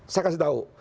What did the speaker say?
saya kasih tahu